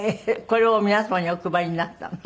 これを皆様にお配りになったの？